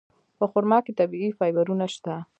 په خرما کې طبیعي فایبرونه شته.